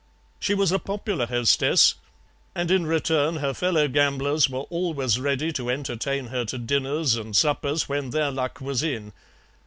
She was a popular hostess, and in return her fellow gamblers were always ready to entertain her to dinners and suppers when their luck was in.